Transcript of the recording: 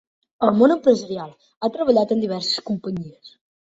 Al món empresarial ha treballat en diverses companyies.